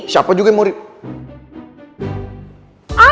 siapa juga mau ribut